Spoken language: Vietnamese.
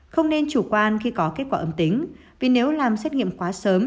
không nên chủ quan khi có kết quả âm tính vì nếu làm xét nghiệm quá sớm